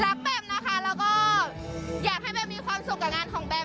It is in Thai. แบมนะคะแล้วก็อยากให้แบมมีความสุขกับงานของแมม